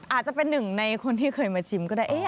อาจจะเป็นหนึ่งในคนที่เคยมาชิมก็ได้